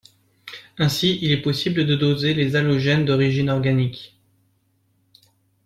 Ainsi il est possible de doser les halogènes d'origine organique.